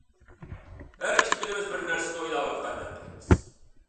ھەر ئىككىلىمىز بىر نەرسىنى ئويلاۋاتقاندەك قىلىمىز.